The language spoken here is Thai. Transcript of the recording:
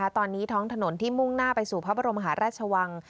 ตอนนี้ท้องถนนที่มุ่งหน้าไปสู่พระบรมหาราชวัง